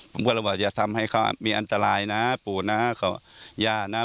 ผมก็เลยว่าอย่าทำให้เขามีอันตรายนะปู่นะก็ย่านะ